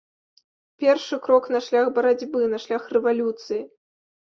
Першы крок на шлях барацьбы, на шлях рэвалюцыі.